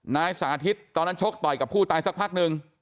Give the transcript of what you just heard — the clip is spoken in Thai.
นายสาธิตตอนนั้นชกต่อยกับผู้ตายสักพักหนึ่ง